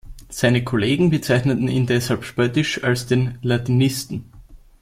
Seine Kollegen bezeichneten ihn deshalb spöttisch als „den Latinisten“.